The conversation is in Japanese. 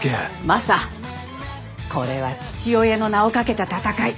マサこれは父親の名をかけた戦い。